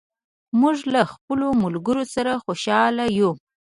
موږ له خپلو ملګرو سره خوشاله یو.